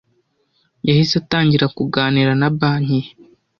Yahise atangira kuganira na banki ye.